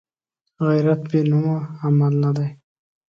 غیرت بېنومه عمل نه دی